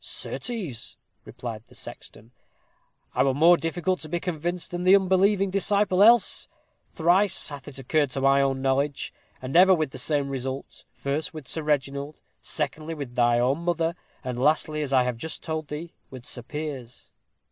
"Certes," replied the sexton. "I were more difficult to be convinced than the unbelieving disciple else. Thrice hath it occurred to my own knowledge, and ever with the same result: first, with Sir Reginald; secondly, with thy own mother; and lastly, as I have just told thee, with Sir Piers."